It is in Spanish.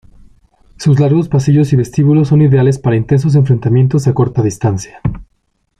Sus largos pasillos y vestíbulos son ideales para intensos enfrentamientos a corta distancia.